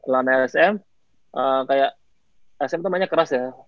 lawan sm kayak sm tuh namanya keras ya